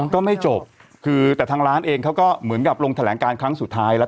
ก็ไม่จบคือแต่ทางร้านเองเขาก็เหมือนกับลงแถลงการครั้งสุดท้ายแล้ว